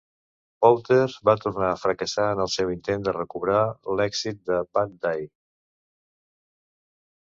Powter va tornar a fracassar en el seu intent de recobrar l'èxit de Bad Day.